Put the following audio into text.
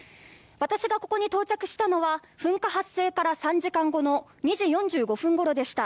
私がここに到着したのは噴火発生から３時間後の２時４５分ごろでした。